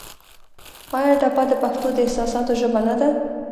آیا ټپه د پښتو د احساساتو ژبه نه ده؟